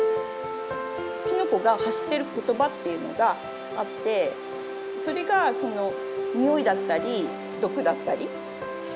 きのこが発してる言葉っていうのがあってそれがそのにおいだったり毒だったりして。